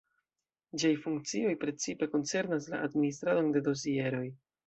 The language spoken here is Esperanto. Ĝiaj funkcioj precipe koncernas la administradon de dosieroj.